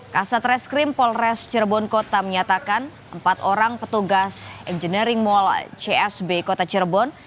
kasat reskrim polres cirebon kota menyatakan empat orang petugas engineering mall csb kota cirebon